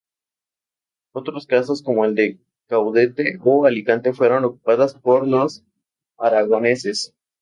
Otros casos como el de Caudete o Alicante fueron ocupadas por los aragoneses.